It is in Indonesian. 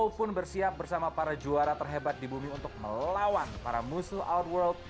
jokowi pun bersiap bersama para juara terhebat di bumi untuk melawan para musuh outworld